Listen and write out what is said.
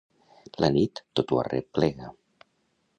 La nit tot ho arreplega.